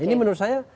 ini menurut saya